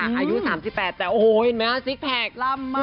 อายุ๓๘แต่โอ้โหเห็นไหมฮะซิกแพคล่ำมาก